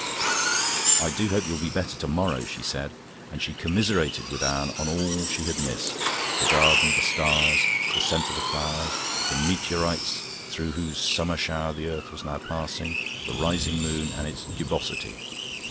"I do hope you'll be better to morrow," she said, and she commiserated with Anne on all she had missed the garden, the stars, the scent of flowers, the meteorites through whose summer shower the earth was now passing, the rising moon and its gibbosity.